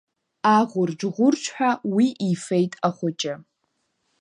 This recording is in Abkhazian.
Аӷәырџ-ӷәырџҳәа уи ифеит ахәыҷы.